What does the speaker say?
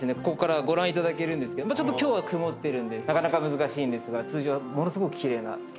ここからご覧いただけるんですけどちょっと今日は曇ってるんでなかなか難しいんですが通常ものすごく奇麗な。